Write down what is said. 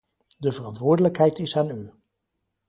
De verantwoordelijkheid is aan u.